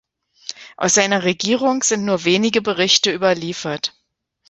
Aus seiner Regierung sind nur wenige Berichte überliefert.